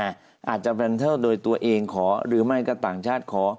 อาจจะเป็นเท่าโดยตัวเองขอหรือไม่ก็ต่างชาติขอ